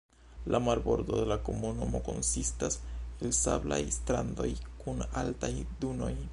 La marbordo de la komunumo konsistas el sablaj strandoj kun altaj dunoj.